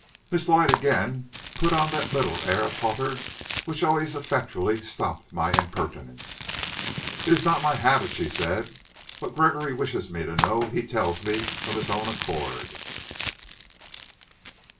Miss Lloyd again put on that little air of hauteur which always effectually stopped my "impertinence." "It is not my habit," she said. "What Gregory wishes me to know he tells me of his own accord."